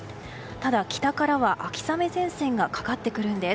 ただ北からは秋雨前線がかかってくるんです。